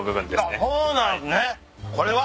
あっそうなんすね。